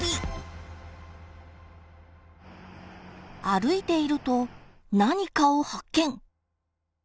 歩いていると何かを発見！